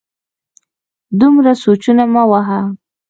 دومره سوچونه مه وهه